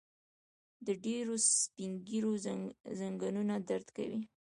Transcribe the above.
د ډيرو سپين ږيرو ځنګنونه درد کوي.